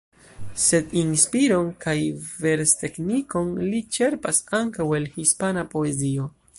Sed inspiron kaj versteknikon li ĉerpas ankaŭ el hispana poezio.